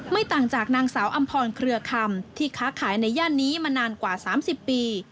ต่างจากนางสาวอำพรเครือคำที่ค้าขายในย่านนี้มานานกว่า๓๐ปี